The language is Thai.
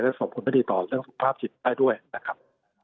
และสมควรไม่ติดต่อเรื่องสุขภาพจิตได้ด้วยนะครับ